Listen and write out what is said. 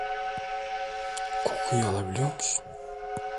Kokuyu alabiliyor musun?